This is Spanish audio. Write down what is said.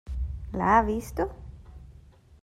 ¿ la ha visto?